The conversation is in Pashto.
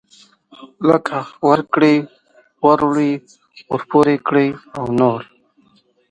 لکه ورکړه وروړه ورپورې کړه او نور.